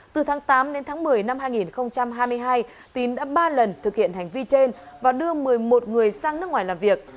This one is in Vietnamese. từ tháng tám đến tháng một mươi năm hai nghìn hai mươi hai tín đã ba lần thực hiện hành vi trên và đưa một mươi một người sang nước ngoài làm việc